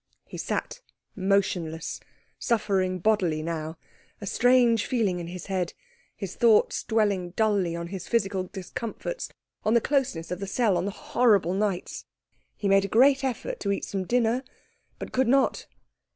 He sat motionless, suffering bodily now, a strange feeling in his head, his thoughts dwelling dully on his physical discomforts, on the closeness of the cell, on the horrible nights. He made a great effort to eat some dinner, but could not.